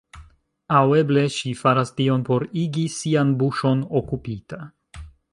Aŭ eble, ŝi faras tion por igi sian buŝon okupita.